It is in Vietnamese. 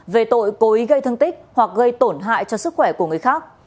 về tội cố ý gây thương tích hoặc gây tổn hại cho sức khỏe của người khác